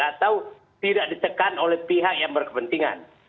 atau tidak ditekan oleh pihak yang berkepentingan